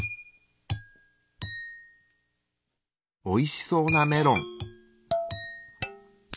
おいしそうなメロン。